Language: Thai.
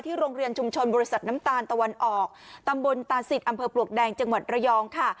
โรงเรียนชุมชนบริษัทน้ำตาลตะวันออกตำบลตาศิษย์อำเภอปลวกแดงจังหวัดระยองค่ะ